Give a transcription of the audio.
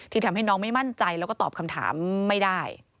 ทำให้น้องไม่มั่นใจแล้วก็ตอบคำถามไม่ได้